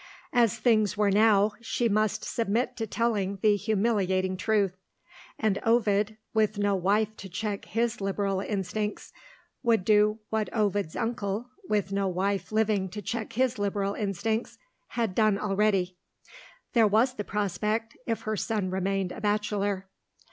As things were now, she must submit to tell the humiliating truth; and Ovid (with no wife to check his liberal instincts) would do what Ovid's uncle (with no wife living to check his liberal instincts) had done already. There was the prospect, if her son remained a bachelor.